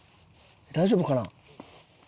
大丈夫かな？